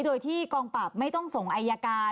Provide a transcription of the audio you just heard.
โดยที่กองปราบไม่ต้องส่งอายการ